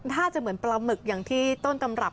ถ้าจะเหมือนปลาหมึกอย่างที่ต้นตำรับ